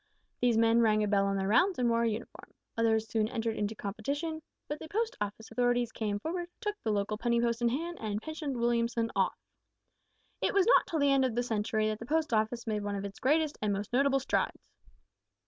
These men rang a bell on their rounds and wore a uniform. Others soon entered into competition, but the Post Office authorities came forward, took the local penny post in hand, and pensioned Williamson off. "It was not till the end of the century that the Post Office made one of its greatest and most notable strides.